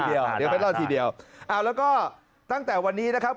เดี๋ยวค่อยเล่าทีเดียวแล้วก็ตั้งแต่วันนี้นะครับ